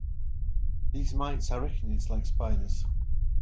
These mites are arachnids like spiders.